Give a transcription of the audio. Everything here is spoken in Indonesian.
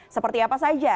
seperti apa saja